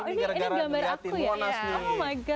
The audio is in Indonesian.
ini gambar aku ya